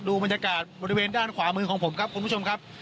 บรรยากาศบริเวณด้านขวามือของผมครับคุณผู้ชมครับ